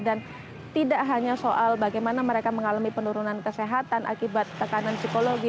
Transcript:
dan tidak hanya soal bagaimana mereka mengalami penurunan kesehatan akibat tekanan psikologi